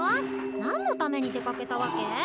何のために出かけたわけ？